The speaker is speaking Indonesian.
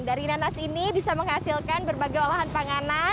dari nanas ini bisa menghasilkan berbagai olahan panganan